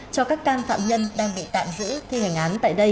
cho các can phạm nhân đang bị tạm giam